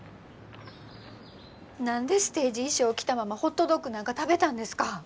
何でステージ衣装着たままホットドッグなんか食べたんですか！